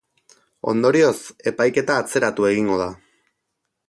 Ondorioz, epaiketa atzeratu egingo da.